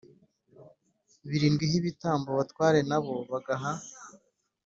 Birindwi Ho Ibitambo Abatware Na Bo Bagaha